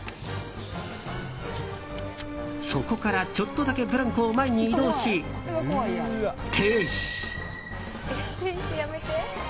そこからちょっとだけブランコを前に移動し、停止。